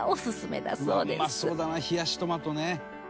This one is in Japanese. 「うまそうだな冷やしトマトね」